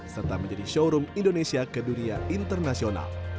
serta menjadi showroom indonesia ke dunia internasional